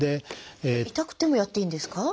痛くてもやっていいんですか？